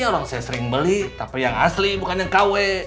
orang saya sering beli tapi yang asli bukan yang kw